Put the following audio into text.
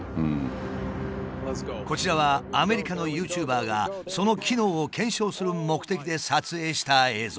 こちらはアメリカのユーチューバーがその機能を検証する目的で撮影した映像。